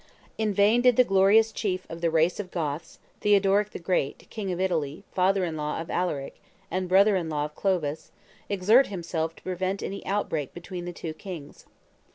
In vain did the glorious chief of the race of Goths, Theodoric the Great, king of Italy, father in law of Alaric, and brother in law of Clovis, exert himself to prevent any outbreak between the two kings.